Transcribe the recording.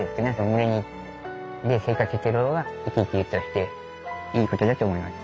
群れで生活してる方が生き生きとしていいことだと思います。